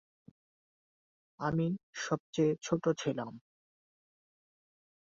আমি সবচেয়ে ছোট ছিলাম।